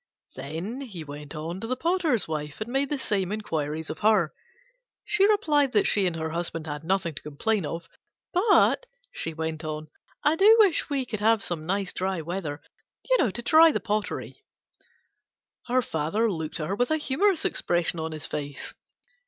Then he went on to the potter's wife and made the same inquiries of her. She replied that she and her husband had nothing to complain of: "But," she went on, "I do wish we could have some nice dry weather, to dry the pottery." Her Father looked at her with a humorous expression on his face.